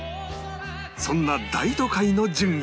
そんな『大都会』の順位は？